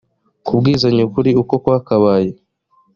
kubwizanya ukuri uko kwakabaye